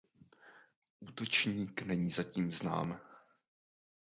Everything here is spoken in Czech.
Útočník není zatím znám.